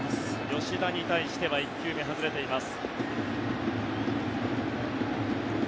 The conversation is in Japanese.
吉田に対しては１球目、外れています。